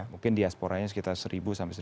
mungkin diasporanya sekitar seribu seribu lima ratus